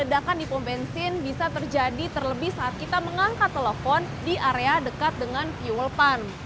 ledakan di pom bensin bisa terjadi terlebih saat kita mengangkat telepon di area dekat dengan viewell pun